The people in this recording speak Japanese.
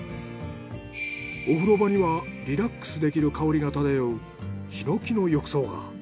お風呂場にはリラックスできる香りが漂う桧の浴槽が。